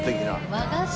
和菓子！